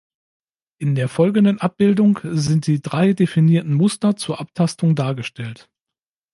In der folgenden Abbildung sind die drei definierten Muster zur Abtastung dargestellt.